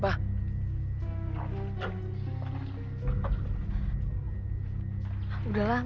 pak toro meninggal gara gara berantem